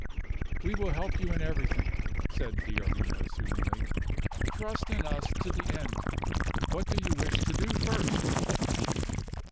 "We will help you in everything," said D'Arbino, soothingly. "Trust in us to the end. What do you wish to do first?"